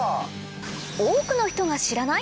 多くの人が知らない？